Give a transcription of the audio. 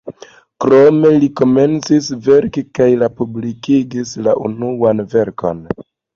Krome li komencis verki kaj la publikigis la unuajn verkojn.